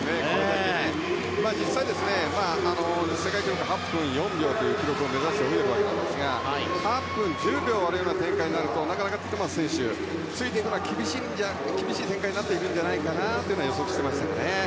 実際、世界記録８分４秒という記録を目指して泳いでいるわけなんですが８分１０秒が出るような展開になるとなかなかティットマス選手ついていくのは厳しい展開になっていくのかなと予測していますね。